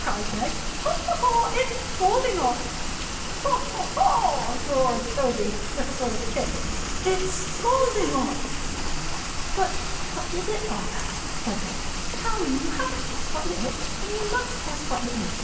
cried Meg. "Ha, ha, ha! It's scalding hot!" "Ha, ha, ha!" roared Toby, with a sort of kick. "It's scalding hot!" "But what is it father?" said Meg. "Come! you haven't guessed what it is. And you must guess what it is.